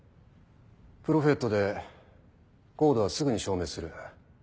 プロフェットでＣＯＤＥはすぐに消滅する。